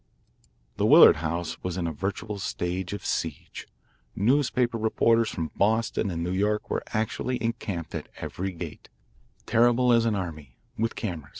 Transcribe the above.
The Willard house was in a virtual state of siege. Newspaper reporters from Boston and New York were actually encamped at every gate, terrible as an army, with cameras.